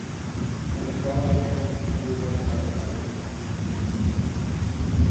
Am Äquator bestanden wohl doch eisfreie Gebiete.